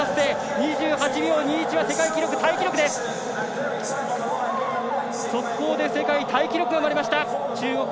２８秒２１で世界タイ記録が生まれました。